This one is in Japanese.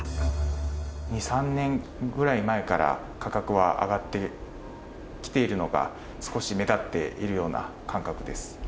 ２、３年ぐらい前から価格は上がってきているのが少し目立っているような感覚です。